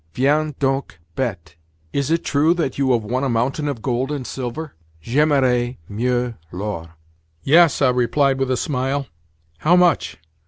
Viens, donc, bête! Is it true that you have won a mountain of gold and silver? J'aimerais mieux l'or." "Yes," I replied with a smile. "How much?"